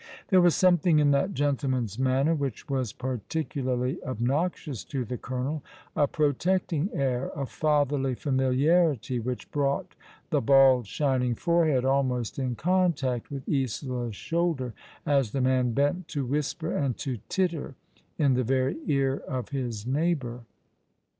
There was something in that gentleman's manner which was particularly obnoxious to the colonel — a protecting air, a fatherly familiarity, which brought the bald, shining forehead almost in contact with Isola's shoulder, as the man bent to whisper and to titter in the very ear of his neighbour.